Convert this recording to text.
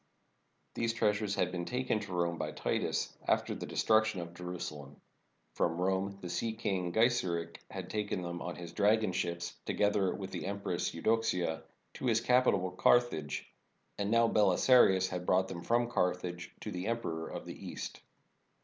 These treasures had been taken to Rome by Titus, after the destruction of Jerusa lem. From Rome the sea king Geiseric had taken them on his dragon ships, together with the Empress Eudoxia, to his capital, Carthage. And now Belisarius had brought them from Carthage to the Emperor of the East.